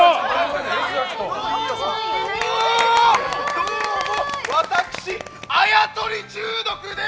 どうもー！